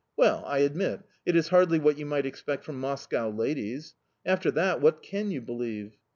Well, I admit, it is hardly what you might expect from Moscow ladies! After that what can you believe?